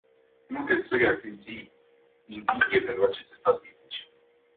Multe țări ar simți invidie pentru aceste statistici.